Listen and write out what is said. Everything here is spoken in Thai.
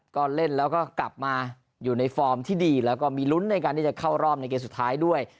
ก็เล่นแล้วก็กลับมาอยู่ในฟอร์มที่ดีแล้วก็มีลุ้นในการที่จะเข้ารอบในเกมสุดท้ายด้วย